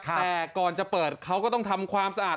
แต่ก่อนจะเปิดเขาก็ต้องทำความสะอาด